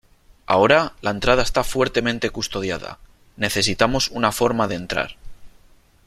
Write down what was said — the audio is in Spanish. Ahora , la entrada está fuertemente custodiada . Necesitamos una forma de entrar .